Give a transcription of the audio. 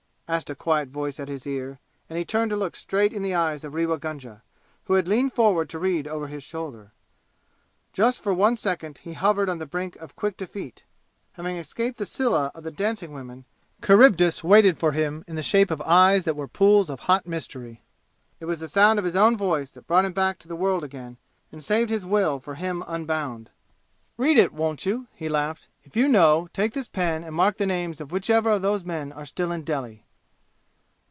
asked a quiet voice at his ear; and he turned to look straight in the eyes of Rewa Gunga, who had leaned forward to read over his shoulder. Just for one second he hovered on the brink of quick defeat. Having escaped the Scylla of the dancing women, Charybdis waited for him in the shape of eyes that were pools of hot mystery. It was the sound of his own voice that brought him back to the world again and saved his will for him unbound. "Read it, won't you?" he laughed. "If you know, take this pen and mark the names of whichever of those men are still in Delhi."